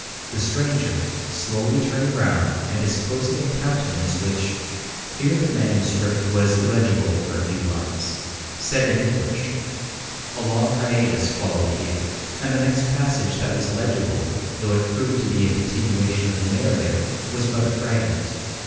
The stranger, slowly turning round, and disclosing a countenance which—(Here the manuscript was illegible for a few lines), said in English—(A long hiatus followed here, and the next passage that was legible, though it proved to be a continuation of the narrative, was but a fragment).